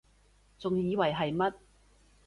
仲以為係乜????